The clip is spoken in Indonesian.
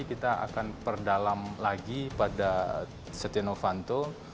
kita akan perdalam lagi pada setia novanto